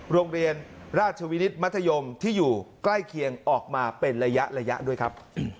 โรงเรียนราชวินิตมัธยมที่อยู่ใกล้เคียงออกมาเป็นระยะด้วยครับ